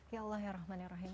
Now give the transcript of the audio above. ya allah ya rahman yang rahim